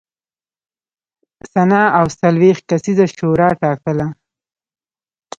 سنا او څلوېښت کسیزه شورا ټاکله.